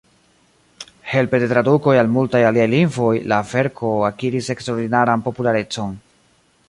Helpe de tradukoj al multaj aliaj lingvoj, la verko akiris eksterordinaran popularecon.